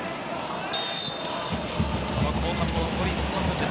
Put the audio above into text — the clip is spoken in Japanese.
その後半も残り３分です。